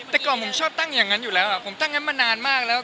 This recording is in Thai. แต่ก่อนผมชอบตั้งอย่างนั้นอยู่แล้วผมตั้งงั้นมานานมากแล้ว